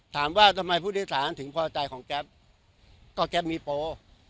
ถามว่าทำไมผู้โดยสารถึงพอใจของแก๊ปก็แก๊ปมีโปร